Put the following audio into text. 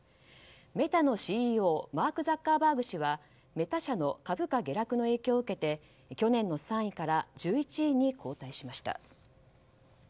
メタのＣＥＯマーク・ザッカーバーグ氏はメタ社の株価下落の影響を受けて去年の３位から１１位に後退しました。